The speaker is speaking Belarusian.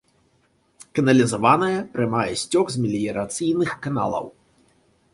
Каналізаваная, прымае сцёк з меліярацыйных каналаў.